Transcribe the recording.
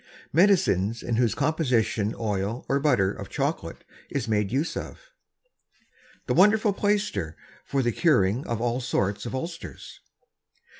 MEDICINES In whose Composition OIL or BUTTER OF CHOCOLATE Is made use of. _The Wonderful Plaister for the Curing of all sorts of Ulcers.